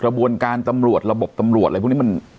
บวนการตำรวจระบบตำรวจอะไรพวกนี้มัน